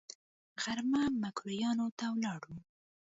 غرمه ميکرويانو ته ولاړو.